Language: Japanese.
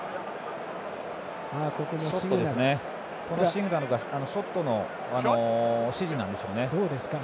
ここはショットの指示なんでしょうね。